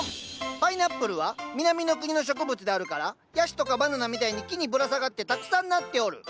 パイナップルは南の国の植物であるからヤシとかバナナみたいに木にぶらさがってたくさんなっておる。